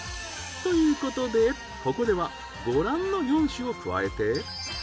ということでここではご覧の４種を加えて。